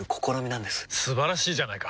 素晴らしいじゃないか！